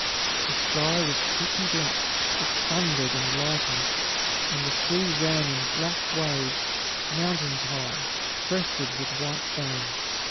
The sky was pitchy black; it thundered and lightened, and the sea ran in black waves, mountains high, crested with white foam.